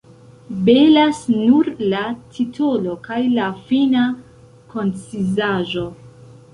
Belas nur la titolo kaj la fina koncizaĵo.